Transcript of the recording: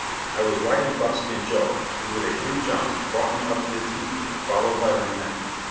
I was riding Buckskin Joe, who with a few jumps brought me up to the tepee, followed by my men.